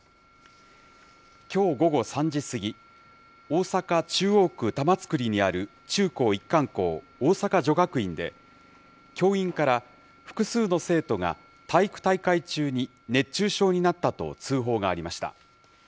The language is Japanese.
きょう午後３時過ぎ、大阪・中央区玉造にある中高一貫校、大阪女学院で、教員から複数の生徒が体育大会中に熱中症になったと通報がありました。